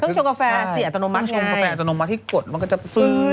เครื่องชงกาแฟเสียอัตโนมัติไงเครื่องชงกาแฟอัตโนมัติที่กดมันก็จะฟื้ด